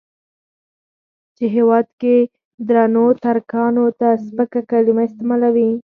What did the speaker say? چې هېواد کې درنو ترکانو ته سپکه کليمه استعمالوي.